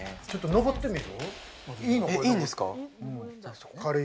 上ってみる？